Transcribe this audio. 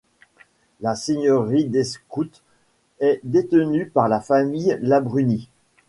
La seigneurie d'Escoute est détenue par la famille Labrunie.